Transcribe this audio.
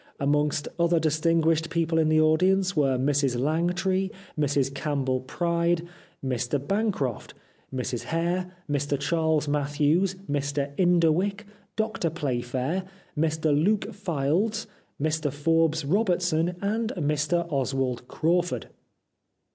Amongst other distinguished people in the audience were, Mrs Langtry, Mrs Campbell Praed, Mr Bancroft, Mrs Hare, Mr Charles Matthews, Mr Inderwick, Dr Playfair, Mr Luke Fildes, Mr Forbes Robertson, and Mr Oswald Crawford."